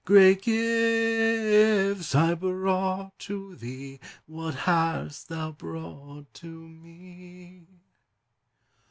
Great gifts I brought to thee; What hast thou brought to me?